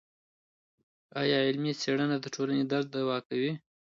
ايا علمي څېړنه د ټولني درد دوا کوي؟